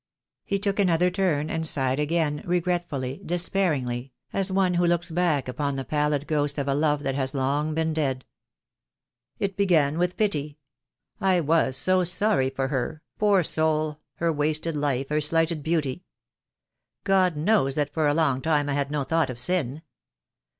He took another turn, and sighed again, regretfully, despairingly, as one who looks back upon the pallid ghost of a love that has long been dead. "It began with pity. I was so sorry for her, poor soul, her wasted life, her slighted beauty. God knows that for a long time I had no thought of sin.